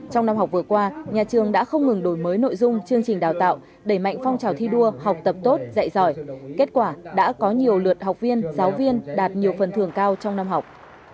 trong năm học vừa qua nhà trường đã không ngừng đổi mới nội dung chương trình đào tạo đẩy mạnh phong trào thi đua học tập tốt dạy giỏi kết quả đã có nhiều lượt học viên giáo viên đạt nhiều phần thường cao trong năm học